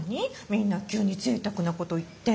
みんな急にぜいたくなこと言って。